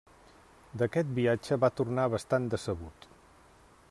D'aquest viatge va tornar bastant decebut.